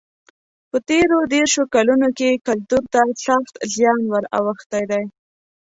په تېرو دېرشو کلونو کې کلتور ته سخت زیان ور اوښتی دی.